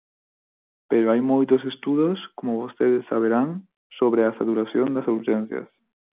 Pero hai moitos estudos, como vostedes saberán, sobre a saturación das urxencias.